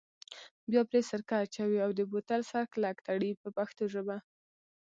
بیا پرې سرکه اچوئ او د بوتل سر کلک تړئ په پښتو ژبه.